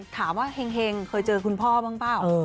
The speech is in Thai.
ถามว่าเฮ็งเคยเจอคุณพ่อบ้างเปล่า